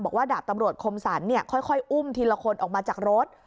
ดาบตำรวจคมสรรค่อยอุ้มทีละคนออกมาจากรถ